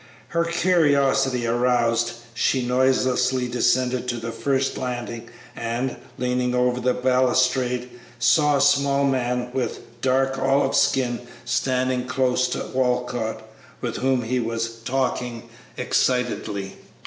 Her curiosity aroused, she noiselessly descended to the first landing, and, leaning over the balustrade, saw a small man, with dark olive skin, standing close to Walcott, with whom he was talking excitedly.